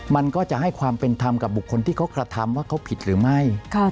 มันก็จะให้ความเป็นธรรมกับบุคคลที่เขากระทำว่าเขาผิดหรือไม่